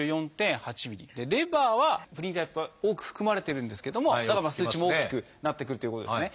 でレバーはプリン体やっぱ多く含まれてるんですけどもだからまあ数値も大きくなってくるということですね。